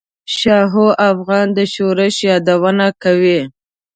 شاهو افغان د شورش یادونه کوي.